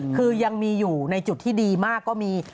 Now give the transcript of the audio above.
คือยังมีอยู่ในจุดที่ดีมากก็มี